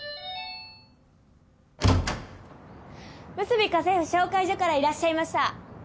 むすび家政婦紹介所からいらっしゃいました。